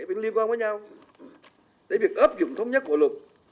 phải liên quan với nhau để việc áp dụng thống nhất của luật